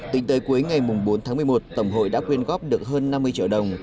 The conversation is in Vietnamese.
tính tới cuối ngày bốn tháng một mươi một tổng hội đã quyên góp được hơn năm mươi triệu đồng